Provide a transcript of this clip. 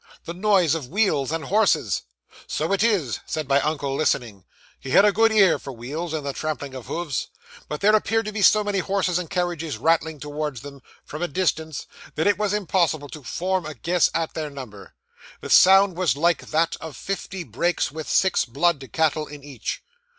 "The noise of wheels, and horses!" '"So it is," said my uncle, listening. He had a good ear for wheels, and the trampling of hoofs; but there appeared to be so many horses and carriages rattling towards them, from a distance, that it was impossible to form a guess at their number. The sound was like that of fifty brakes, with six blood cattle in each.